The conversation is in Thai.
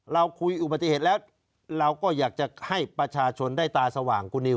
เราคุยอุบัติเหตุแล้วเราก็อยากจะให้ประชาชนได้ตาสว่างคุณนิว